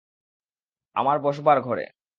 আমার বসবার ঘরে।